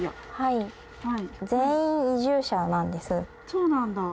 そうなんだ。